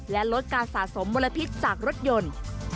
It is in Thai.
และลดการสะสมมลพิษจากรถยนต์